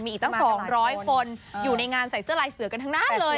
มีอีกตั้ง๒๐๐คนอยู่ในงานใส่เสื้อลายเสือกันทั้งนั้นเลย